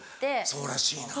そうらしいな。